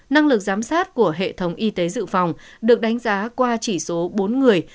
năng lực giám sát của hệ thống y tế dự phòng được đánh giá qua chỉ số bốn người